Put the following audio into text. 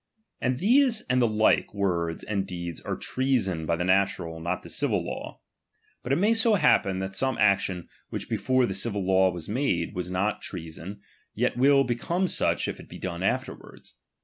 And these and the like words and deeds are treason by the natural, not the civil law. But it may so happen, that some action, which before the civil law was madej was not treason, yet will become such if it be done afterwards.